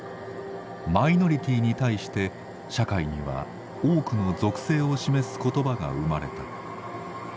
マイノリティーに対して社会には多くの属性を示す言葉が生まれた。